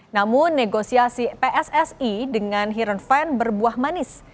namun negosiasi pssi dengan heerenveen berbuah manis